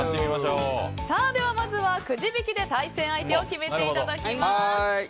まずはくじ引きで対戦相手を決めていただきます。